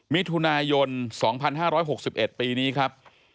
มิถุนายน๒๕๖๑ปีนี้ครับ